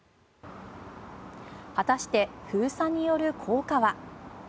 果たして、封鎖による効果は。